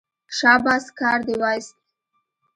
شاباس کار دې وایست.